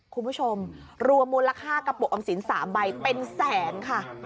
คุณผู้ชมรวมมูลค่ากระปุกออมสิน๓ใบเป็นแสนค่ะ